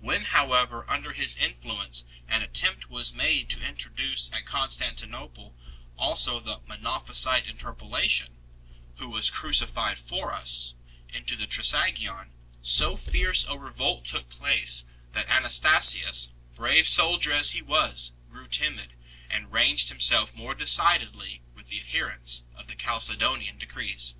When however under his influence an attempt was made to introduce at Constantinople also the Monophysite interpolation" who wast crucified for us " into the Trisagion, so fierce a revolt took place that Ana stasius, brave soldier as he was, grew timid, and ranged himself more decidedly with the adherents of the Chalce donian decrees.